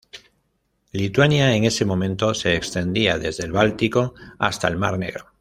Lituania en ese momento se extendía desde el Báltico hasta el mar Negro.